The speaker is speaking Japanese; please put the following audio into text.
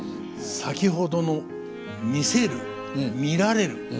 先ほどの「見せる」「見られる」